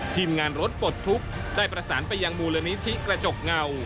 ทีมงานรถปลดทุกข์ได้ประสานไปยังมูลนิธิกระจกเงา